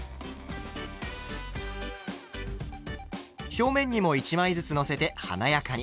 表面にも１枚ずつのせて華やかに。